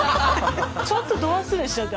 ちょっとど忘れしちゃって。